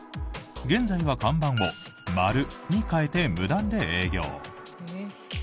現在は看板を「マル」に変えて無断で営業。